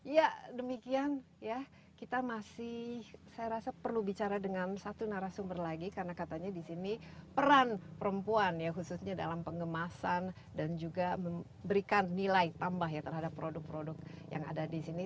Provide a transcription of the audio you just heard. ya demikian ya kita masih saya rasa perlu bicara dengan satu narasumber lagi karena katanya di sini peran perempuan ya khususnya dalam pengemasan dan juga memberikan nilai tambah ya terhadap produk produk yang ada di sini